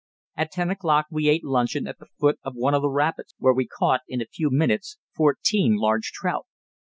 At ten o'clock we ate luncheon at the foot of one of the rapids where we caught, in a few minutes, fourteen large trout.